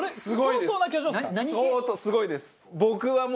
相当すごいです。